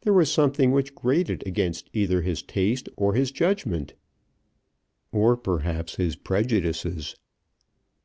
There was something which grated against either his taste, or his judgment, or perhaps his prejudices.